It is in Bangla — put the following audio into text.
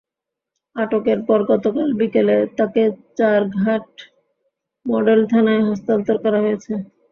আটকের পর গতকাল বিকেলে তাঁকে চারঘাট মডেল থানায় হস্তান্তর করা হয়েছে।